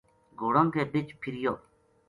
گھوڑاں کے بِچ پھریو